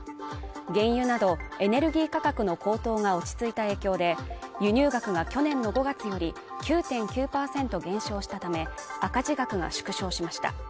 原油などエネルギー価格の高騰が落ち着いた影響で輸入額が去年の５月より９．９％減少したため、赤字額が縮小しました。